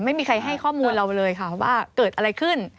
ไม่มีใครให้ข้อมูลเราเลยค่ะว่าเกิดอะไรขึ้น